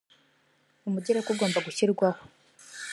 umugereka ugomba gushyirwaho.